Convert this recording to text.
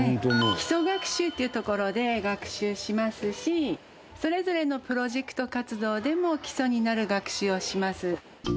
基礎学習っていうところで学習しますしそれぞれのプロジェクト活動でも基礎になる学習をします。